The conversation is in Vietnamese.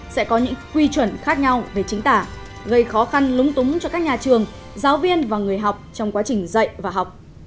sẽ có những quy chuẩn khác nhau về chính tả gây khó khăn lúng túng cho các nhà trường giáo viên và người học trong quá trình dạy và học